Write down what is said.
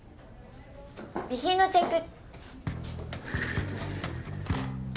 備品のチェック。